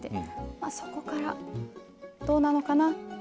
まあそこからどうなのかな？